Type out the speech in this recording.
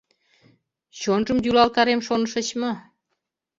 Чонжым йӱлалтарем, шонышыч мо?